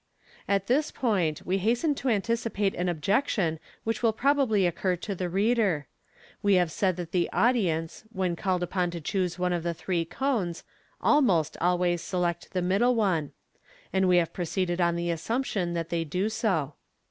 At this point we hasten to anticipate an objection which will pro bably occur to the reader. We have said that the audience, when called upon to choose one of the three cones, almost always select the middle one, and we have proceeded on the assumption that they do so.